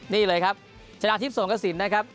นี่เลยครับชนะทิพย์สงกระสินนะครับ